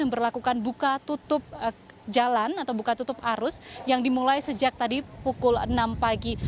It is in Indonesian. memperlakukan buka tutup jalan atau buka tutup arus yang dimulai sejak tadi pukul enam pagi